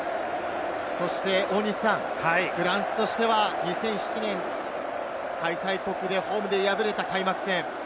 そして大西さん、フランスとしては２００７年、開催国でホームで敗れた開幕戦。